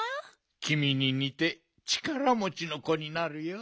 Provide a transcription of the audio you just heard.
きみににてちからもちのこになるよ。